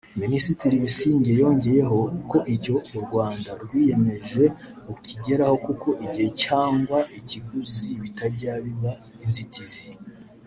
Minisitiri Busingye yongeyeho ko icyo u Rwanda rwiyemeje rukigeraho kuko igihe cyangwa ikiguzi bitajya biba inzitizi